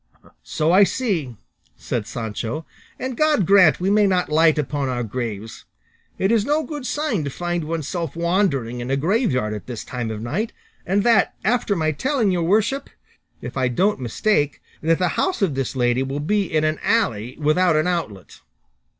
"So I see," said Sancho, "and God grant we may not light upon our graves; it is no good sign to find oneself wandering in a graveyard at this time of night; and that, after my telling your worship, if I don't mistake, that the house of this lady will be in an alley without an outlet."